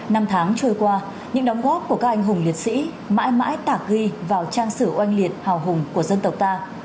năm tháng trôi qua những đóng góp của các anh hùng liệt sĩ mãi mãi tạc ghi vào trang sử oanh liệt hào hùng của dân tộc ta